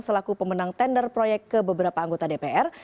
selaku pemenang tender proyek ke beberapa anggota dpr